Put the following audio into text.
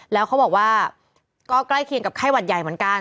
แล้วเขาบอกว่าก็ใกล้เคียงกับไข้หวัดใหญ่เหมือนกัน